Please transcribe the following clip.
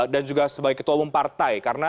dan juga sebagai ketua umum partai